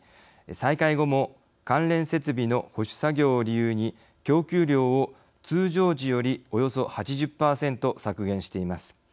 再開後も関連設備の保守作業を理由に供給量を通常時よりおよそ８０％削減しています。